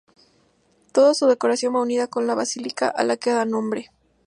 Toda su decoración va unida con la basílica a la que da nombre.